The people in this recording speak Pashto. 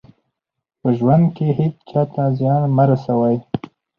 په ژوند کې هېڅ چا ته زیان مه رسوئ.